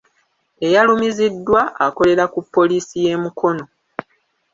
Eyalumiziddwa akolera ku poliisi y’e Mukono.